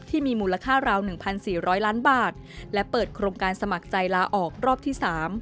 ที่มีมูลค่าราว๑๔๐๐ล้านบาทและเปิดโครงการสมัครใจลาออกรอบที่๓